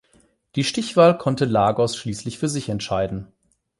Die Stichwahl konnte Lagos schließlich für sich entscheiden.